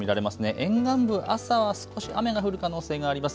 沿岸部、朝は少し雨が降る可能性があります。